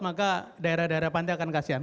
maka daerah daerah pantai akan kasihan